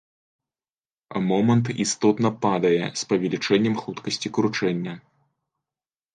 Момант істотна падае з павелічэннем хуткасці кручэння.